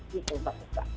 gitu mbak tika